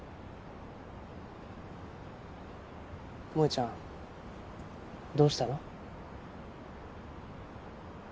萌ちゃんどうしたの？